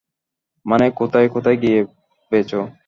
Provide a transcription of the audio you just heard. মানে, কোথায় কোথায় গিয়ে বেচো?